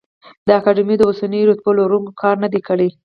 د اکاډمیو د اوسنیو رتبو لروونکي کار نه دی کړی.